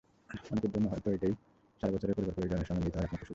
অনেকের জন্য এটাই হয়তো সারা বছরে পরিবার-পরিজনের সঙ্গে মিলিত হওয়ার একমাত্র সুযোগ।